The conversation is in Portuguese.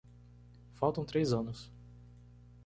Faltam três anos